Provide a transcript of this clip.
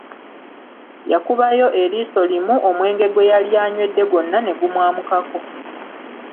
Yakubayo eriiso limu omwenge gwe yali anywedde gwonna ne gumwamukako.